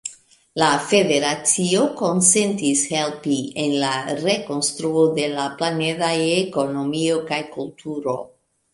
La federacio konsentis helpi en la rekonstruo de la planedaj ekonomio kaj kulturo.